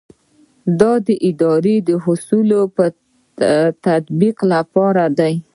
دا د اداري اصولو د تطبیق لپاره دی.